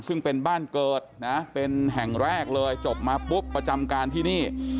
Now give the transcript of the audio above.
ซึ่งเป็นบ้านเกิดนะเป็นแห่งแรกเลยจบมาปุ๊บประจำการที่นี่